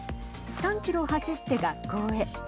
３キロ走って学校へ。